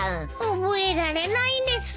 覚えられないです。